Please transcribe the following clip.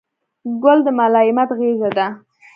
ګل د ملایمت غېږه ده.